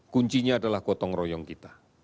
kuncinya adalah gotong royong kita